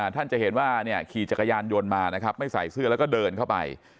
ท่านจะเห็นว่าขี่จักรยานยนต์มานะครับไม่ใส่เสื้อแล้วก็เดินเข้าไป